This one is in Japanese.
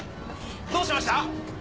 どうしました！？